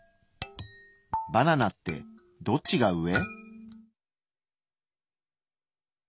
バナナってどっちが上？